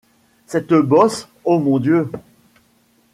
Cette bosse ! ô mon Dieu !…